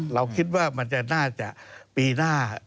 เราคิดว่ามันจะน่าจะปีหน้า